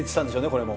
これも。